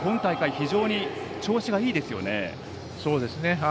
非常に調子がいいですよね。